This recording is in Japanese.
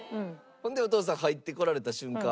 ほんでお父さん入ってこられた瞬間？